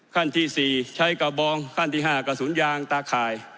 ขั้นที่๔ใช้กระบองขั้นที่๕กระสุนยางตาข่าย